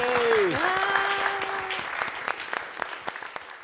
うわ！